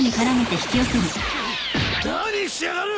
何しやがる！